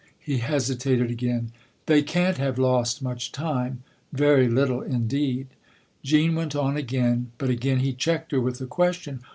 He hesitated again. " They can't have lost much time !"" Very little indeed." Jean went on again ; but again he checked her with a question.